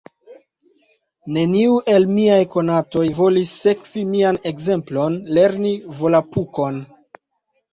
Neniu el miaj konatoj volis sekvi mian ekzemplon, lerni Volapuk-on.